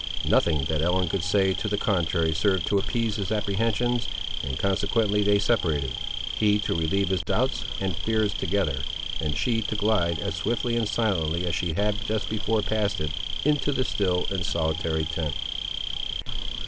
Nothing that Ellen could say to the contrary served to appease his apprehensions, and, consequently, they separated; he to relieve his doubts and fears together, and she to glide, as swiftly and silently as she had just before passed it, into the still and solitary tent.